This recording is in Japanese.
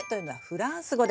フランス語。